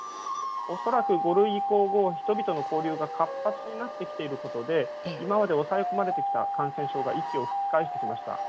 恐らく５類移行後、人々の交流が活発になってきていることで、今まで抑え込まれてきた感染症が息を吹き返してきました。